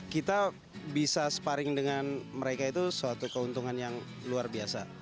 kita bisa sparring dengan mereka itu suatu keuntungan yang luar biasa